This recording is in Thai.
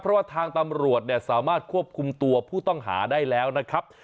เพราะว่าทางตำรวจเนี่ยสามารถควบคุมตัวผู้ต้องหาได้แล้วนะครับ